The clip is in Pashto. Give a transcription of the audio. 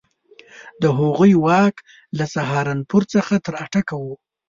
د هغوی واک له سهارنپور څخه تر اټک وو.